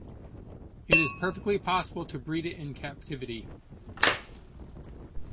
It is perfectly possible to breed it in captivity.